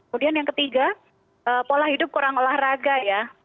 kemudian yang ketiga pola hidup kurang olahraga ya